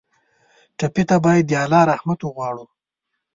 ټپي ته باید د الله رحمت وغواړو.